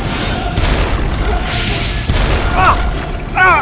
dia berada di luar sana